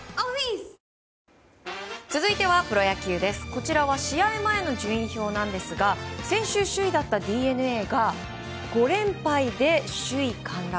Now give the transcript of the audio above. こちらは試合前の順位表なんですが先週、首位だったＤｅＮＡが５連敗で首位陥落。